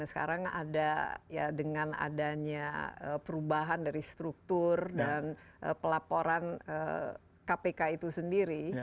sekarang ada ya dengan adanya perubahan dari struktur dan pelaporan kpk itu sendiri